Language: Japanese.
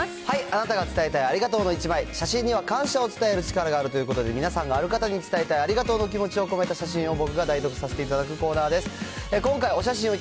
あなたが伝えたいありがとうの１枚、写真には感謝を伝える力があるということで、皆さんがある方に伝えたい、ありがとうの気持ちを込めた写真を僕が代読させていただくコーナーです。